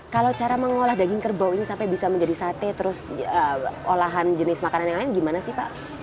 kalau cara mengolah daging kerbau ini sampai bisa menjadi sate terus olahan jenis makanan yang lain gimana sih pak